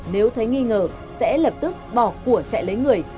nếu thấy nghi ngờ sẽ lập tức bỏ của chạy lấy người